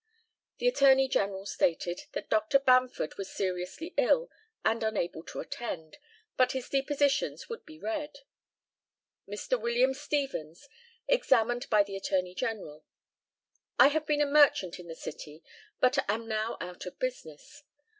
The ATTORNEY GENERAL stated that Dr. Bamford was seriously ill, and unable to attend, but his depositions would be read. Mr. William STEVENS, examined by the ATTORNEY GENERAL: I have been a merchant in the city, but am now out of business.